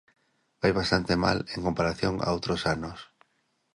Vai bastante mal en comparación a outros anos.